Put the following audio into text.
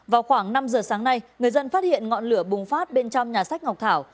vào khoảng năm giờ sáng nay người dân phát hiện ngọn lửa bùng phát bên trong nhà sách ngọc thảo